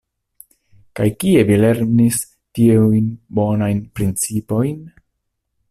Kaj kie vi lernis tiujn bonajn principojn?